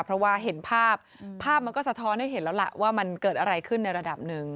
เพราะว่าเห็นภาพภาพมันก็สะท้อนให้เห็นแล้วล่ะว่ามันเกิดอะไรขึ้นในระดับหนึ่ง